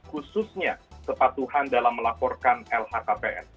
khususnya kepatuhan dalam melaporkan lhkpn